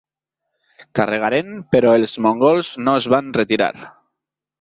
Carregaren però els mongols no es van retirar.